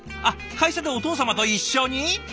会社でお父様と一緒に？